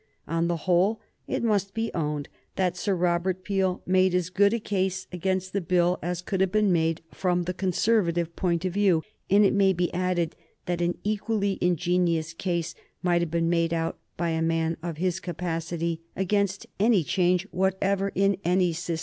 On the whole, it must be owned that Sir Robert Peel made as good a case against the Bill as could have been made from the Conservative point of view, and it may be added that an equally ingenious case might have been made out by a man of his capacity against any change whatever in any system.